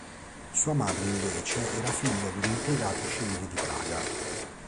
Sua madre invece era figlia di un impiegato civile di Praga.